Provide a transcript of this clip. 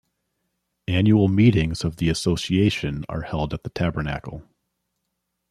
Annual meetings of the association are held at the tabernacle.